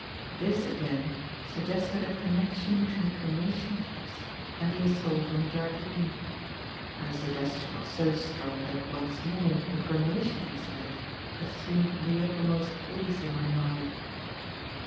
This, again, suggested a connection between the cremation case and the assault on Jardine; and the suggestion was so strong that once more the cremation incident assumed the uppermost place in my mind.